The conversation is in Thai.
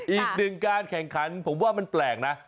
อีกหนึ่งการแข่งขันผมว่ามันแปลกนะ